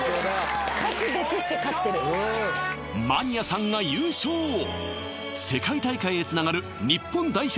マニアさんが優勝世界大会へつながる日本代表